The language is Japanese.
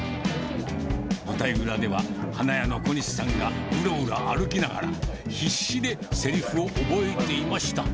舞台裏では、花屋の小西さんがうろうろ歩きながら、必死でせりふを覚えていました。